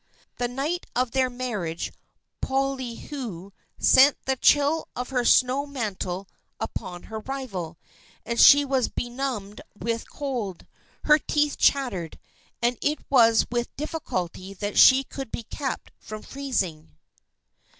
The night of their marriage Poliahu sent the chill of her snow mantle upon her rival, and she was benumbed with cold. Her teeth chattered, and it was with difficulty that she could be kept from freezing.